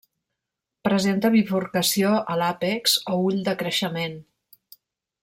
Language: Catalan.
Presenta bifurcació a l'àpex o ull de creixement.